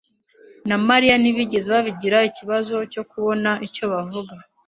na Mariya ntibigeze bagira ikibazo cyo kubona icyo bavuga.